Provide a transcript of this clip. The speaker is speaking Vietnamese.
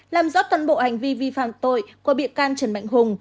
làm rõ toàn bộ hành vi vi phạm tội của bị can trần mạnh hùng